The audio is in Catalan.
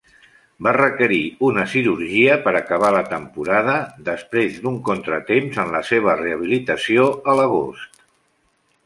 Va requerir una cirurgia per acabar la temporada després d'un contratemps en la seva rehabilitació a l'agost.